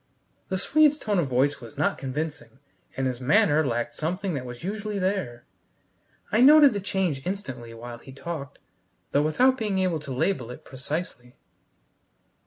The Swede's tone of voice was not convincing, and his manner lacked something that was usually there. I noted the change instantly while he talked, though without being able to label it precisely.